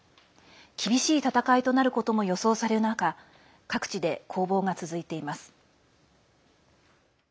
厳しい戦いとなることも予想される中各地で攻防が続いています。